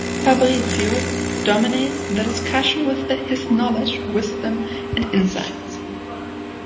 Fabrizio dominates the discussions with his knowledge, wisdom and insights.